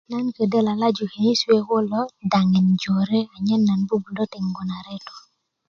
nan ködö lalaju könisi' kuwe kulo daŋin jore anyen nan bubulö teŋgu na reto